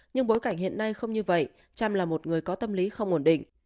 nhưng bối cảnh hiện nay không như vậy cham là một người có tâm lý không ổn định